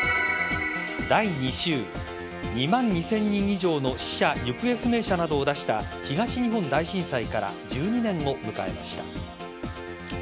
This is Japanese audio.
第２週２万２０００人以上の死者行方不明者などを出した東日本大震災から１２年を迎えました。